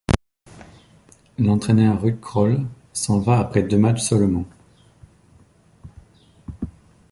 L'entraîneur Ruud Krol s'en va après deux matchs seulement.